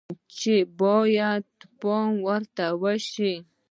چې باید پام ورته شي